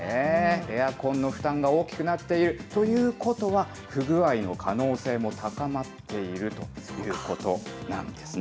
エアコンの負担が大きくなっているということは、不具合の可能性も高まっているということなんですね。